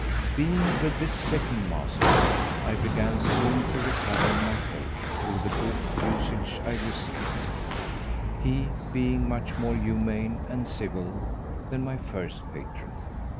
Being with this second master, I began soon to recover my health through the good usage I received, he being much more humane and civil than my first patron.